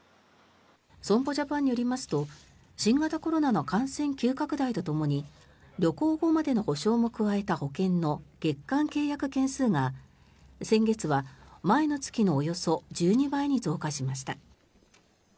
損保ジャパンによりますと新型コロナの感染急拡大とともに旅行後までの補償も加えた保険の月間契約件数が先月は前の月のおよそ１２倍に増加しました。